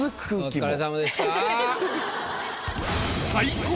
お疲れさまでした。